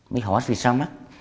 mấy hỏi vì sao mất